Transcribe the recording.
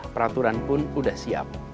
peraturan pun sudah siap